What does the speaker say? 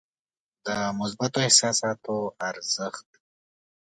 د مثبتو احساساتو ارزښت.